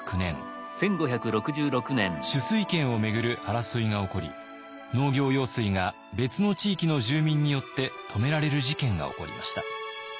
取水権をめぐる争いが起こり農業用水が別の地域の住民によって止められる事件が起こりました。